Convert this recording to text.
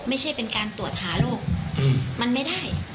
ไม่ใช่เป็นการตรวจหาโรคมันไม่ได้